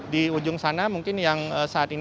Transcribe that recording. di ujung sana mungkin yang saat ini